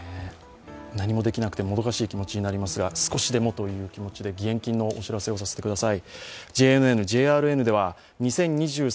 何もできなくてもどかしい気持ちになりますが、少しでもという気持ちで義援金のお知らせをさせてください。